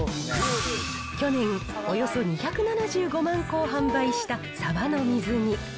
去年、およそ２７５万個を販売したサバの水煮。